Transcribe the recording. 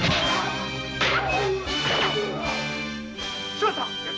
しまった‼